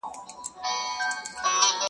یو خوا وي ستا وصل او بل طرف روژه وي زما,